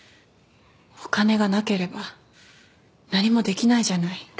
お金がなければ何もできないじゃない。